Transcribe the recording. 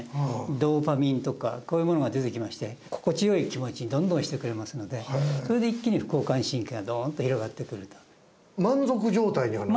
ドーパミンとかこういうものが出てきまして心地よい気持ちにどんどんしてくれますのでそれで一気に副交感神経がどーんって広がってくると満足状態にはなってる？